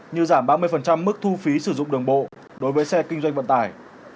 như giảm ba mươi mức thu phí sử dụng đường bộ đối với xe kinh doanh vận tải